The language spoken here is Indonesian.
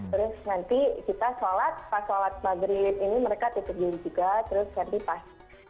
terus nanti kita sholat pas sholat maghrib ini mereka terjun juga terus shantyifah